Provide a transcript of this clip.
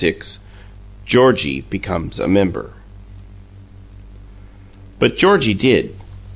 GEORGIE BECOMES A MEMBER But Georgie did.